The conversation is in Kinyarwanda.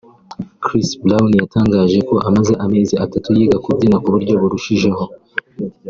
Chris Brown yatangaje ko amaze amezi atatu yiga kubyina ku buryo burushijeho